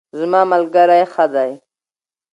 زما ملګرۍ ښه دی